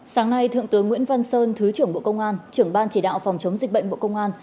sáng nay thượng tướng nguyễn văn sơn thứ trưởng bộ công an trưởng ban chỉ đạo phòng chống dịch bệnh bộ công an